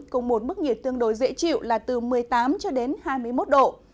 cùng một mức nhiệt tương đối dễ chịu là từ một mươi tám hai mươi một độ